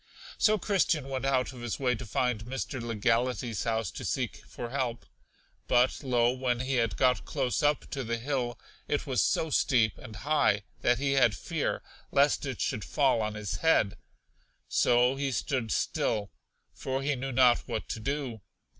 So Christian went out of his way to find Mr. Legality's house to seek for help. But, lo, when he had got close up to the hill, it was so steep and high that he had fear lest it should fall on his head; so he stood still, for he knew not what to do.